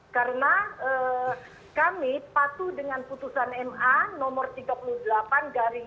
karena kami patuh dengan putusan ma nomor tiga puluh delapan garing dua tiga